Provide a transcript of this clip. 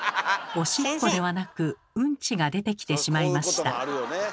おしっこではなくうんちが出てきてしまいました。